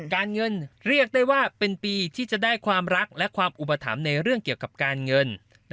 การเงินเรียกได้ว่าเป็นปีที่จะได้ความรักและความอุปถัมภ์ในเรื่องเกี่ยวกับการเงิน